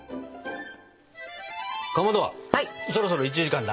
かまどそろそろ１時間だ。